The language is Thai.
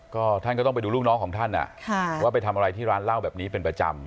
ก็ท่านก็ต้องไปดูลูกน้องของท่านว่าไปทำอะไรที่ร้านเหล้าแบบนี้เป็นประจำ